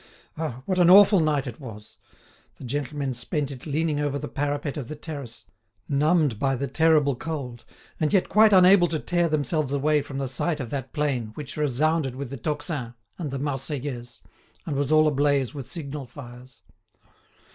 Ah! what an awful night it was! The gentlemen spent it leaning over the parapet of the terrace, numbed by the terrible cold, and yet quite unable to tear themselves away from the sight of that plain which resounded with the tocsin and the "Marseillaise," and was all ablaze with signal fires.